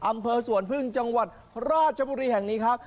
อำเภอสวนพึ่งจังหวัดราชบุรีแห่งนี้ครับ